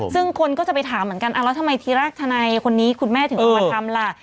ซึ่งคนก็จะไปถามเหมือนกันแล้วทำไมทีแรกทนายคนนี้คุณแม่ถึงเอามาทำล่ะ